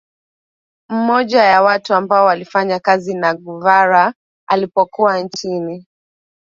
Mmoja ya watu ambao walifanya kazi na Guevara alipokuwa nchini